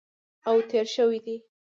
او تېر شوي دي